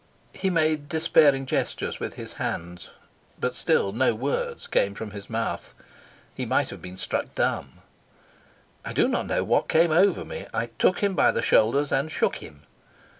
He made despairing gestures with his hands, but still no words came from his mouth. He might have been struck dumb. I do not know what came over me; I took him by the shoulders and shook him.